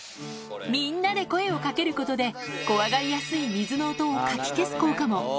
みんなで声をかけることで、怖がりやすい水の音をかき消す効果も。